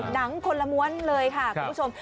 หนังคนละม้วนเลยค่ะคุณผู้ชม